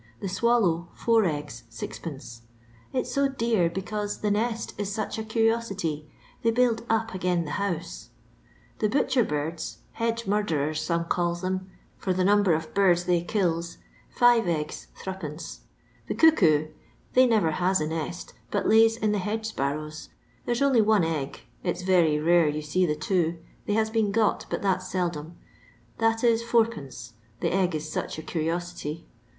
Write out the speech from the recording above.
The swallow, four eggs, M; it 's so d«r because the nest is such a cur'osity, ther baild op again the house. The butche^birds — hedge ow derers some calls them, for the number of birds they kills — five eggs, Sd. The cuckoo — they Aever has a nest, but htys in the hedge^parrow's ; theie 'i only one egg (it 's very mre yon see the two, they has been got, but that's seldom) that is4<l., the egg is such a cur'osity.